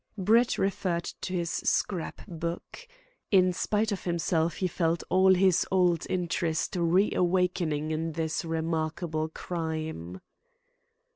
'" Brett referred to his scrap book. In spite of himself, he felt all his old interest reawakening in this remarkable crime.